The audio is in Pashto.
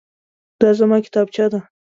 دا زما کتابچه ده.